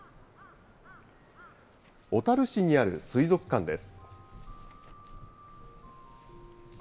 小樽市にある水族館です。